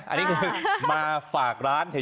อันนี้คือมาฝากร้านเถอ